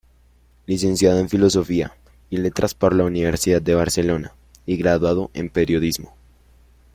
Licenciado en Filosofía y Letras por la Universidad de Barcelona y graduado en periodismo.